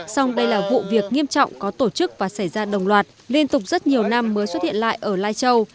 xong đây là vụ việc nghiêm trọng có tổ chức và xảy ra đồng loạt liên tục rất nhiều năm mới xuất hiện lại ở lai châu